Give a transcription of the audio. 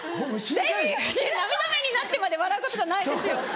涙目になってまで笑うことじゃないですよ。